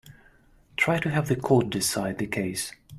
Try to have the court decide the case.